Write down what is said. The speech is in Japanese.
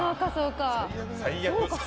最悪。